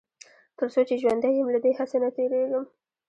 تر څو چې ژوندی يم له دې هڅې نه تېرېږم.